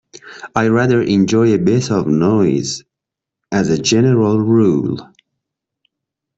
I rather enjoy a bit of noise, as a general rule.